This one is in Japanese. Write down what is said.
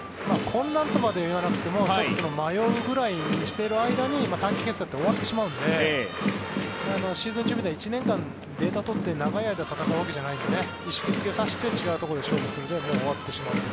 混乱とまではいわなくても迷っているくらいの間に短期決戦だと終わってしまうのでシーズン中みたいに１年間データを取って長い間戦うわけじゃないので意識付けさせて違うところで勝負しているともう終わってしまうと。